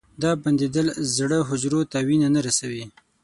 دا بندېدل زړه حجرو ته وینه نه رسوي.